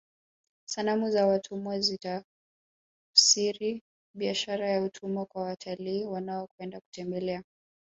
sanamu za watumwa zinatafsiri biashara ya utumwa kwa watalii wanaokwenda kutembelea